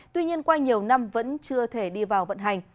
tuy nhiên qua nhiều năm vẫn chưa thể đi vào vận hành